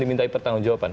dimintai pertanggung jawaban